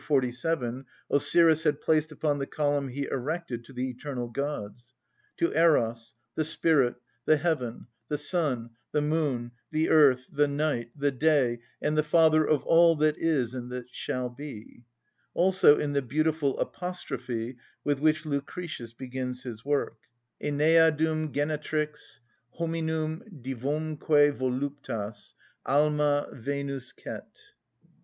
47), Osiris had placed upon the column he erected to the eternal gods: "To Eros, the spirit, the heaven, the sun, the moon, the earth, the night, the day, and the father of all that is and that shall be;" also in the beautiful apostrophe with which Lucretius begins his work: "Æneadum genetrix, hominum divomque voluptas, _Alma Venus cet.